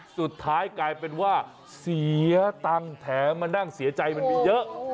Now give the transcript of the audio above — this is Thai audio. สุดท้ายกลายเป็นว่าเสียตังค์แถมมานั่งเสียใจมันมีเยอะ